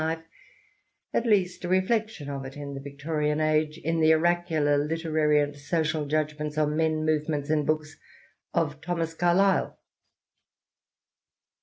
life, at least a reflection of it in the Victorian Age, in the oracular literary and social judgments on men, movements, and books of Thomas Carlyle.